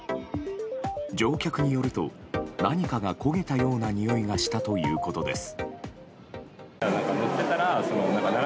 乗客によると何かが焦げたようなにおいがしたということです。